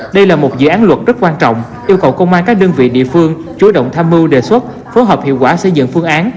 đây là một dự án luật rất quan trọng yêu cầu công an các đơn vị địa phương chú động tham mưu đề xuất phối hợp hiệu quả xây dựng phương án